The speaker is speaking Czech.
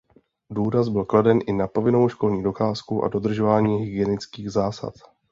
Důraz byl kladen i na povinnou školní docházku a dodržování hygienických zásad.